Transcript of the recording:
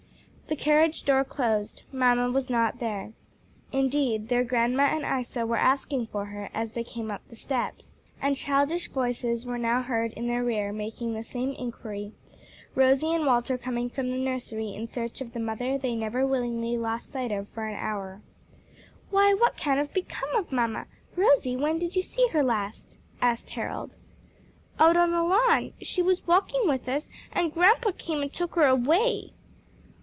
The carriage door closed. Mamma was not there. Indeed their grandma and Isa were asking for her as they came up the steps. And childish voices were now heard in their rear making the same inquiry Rosie and Walter coming from the nursery in search of the mother they never willingly lost sight of for an hour. "Why, what can have become of mamma? Rosie, when did you see her last?" asked Harold. "Out on the lawn. She was walking with us, and grandpa came and took her away."